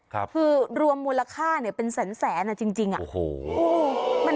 ครับคือรวมมูลค่าเนี่ยเป็นแสนแสนอะจริงอ่ะโอ้โห